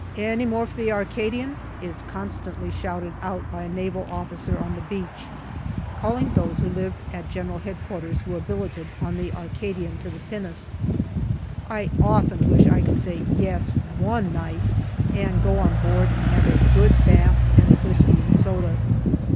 Any more for the Arcadian ?" is constantly shouted out by a Naval officer on the beach, calling those who live at G.H.Q. who are billeted on the Arcadian to the pinnace. I often wish I could say " Yes " one night, and go on board and have a good bath and a whisky and soda.